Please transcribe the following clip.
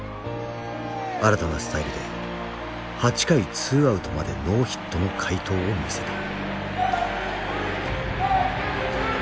新たなスタイルで８回２アウトまでノーヒットの快投を見せた。